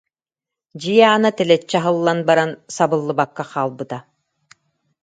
Дьиэ аана тэлэччи аһыллан баран, сабыллыбакка хаалбыта